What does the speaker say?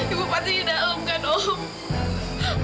ibu pasti di dalam kan om